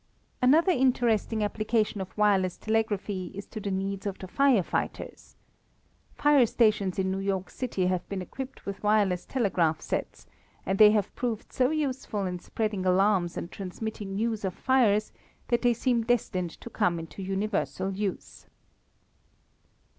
Another interesting application of wireless telegraphy is to the needs of the fire fighters. Fire stations in New York City have been equipped with wireless telegraph sets, and they have proved so useful in spreading alarms and transmitting news of fires that they seem destined to come into universal use.